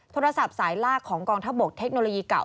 โทรศัพท์สายลากของกองทัพบกเทคโนโลยีเก่า